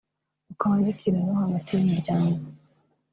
ukaba n’ikiraro hagati y’imiryango